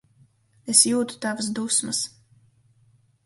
Es jūtu tavas dusmas.